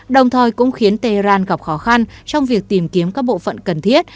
đồng thời cũng khiến tehran gặp khó khăn trong việc tìm kiếm các bộ phận cần thiết